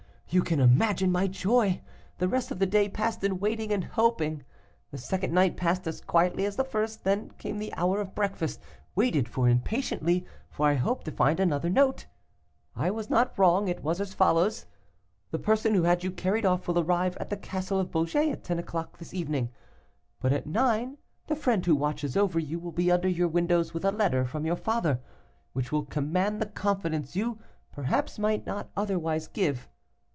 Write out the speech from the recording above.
You can imagine my joy. The rest of the day passed in waiting and hoping. The second night passed as quietly as the first; then came the hour of breakfast, waited for impatiently, for I hoped to find another note. I was not wrong, it was as follows: 'The person who had you carried off will arrive at the castle of Beaugé at ten o'clock this evening; but at nine, the friend who watches over you will be under your windows with a letter from your father, which will command the confidence you, perhaps, might not otherwise give.